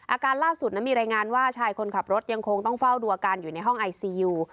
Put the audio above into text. อาการล่าสุดนั้นมีรายงานว่าชายคนขับรถยังคงต้องเฝ้าดูอาการอยู่ในห้องไอซียู